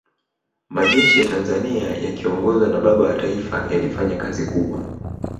majeshi ya tanzania yakiongozwa na baba wa taifa yalifanya kazi kubwa